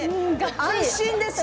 安心です。